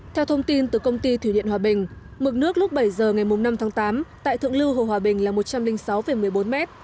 theo thông tin từ công ty thủy điện hòa bình mực nước lúc bảy giờ ngày năm tháng tám tại thượng lưu hồ hòa bình là một trăm linh sáu một mươi bốn m